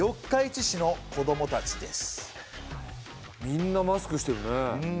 みんなマスクしてるね。